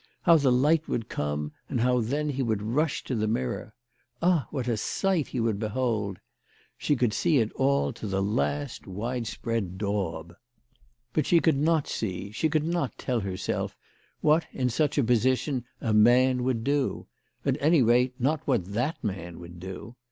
How the light would come, and how then he would rush to the mirror. Ah, what a sight he would behold ! She could see it all to the last widespread daub. But she could not see, she could not tell herself, what in such a position a man would do ; at any CHRISTMAS AT THOMPSON HALL. 231 rate, not what that man would do.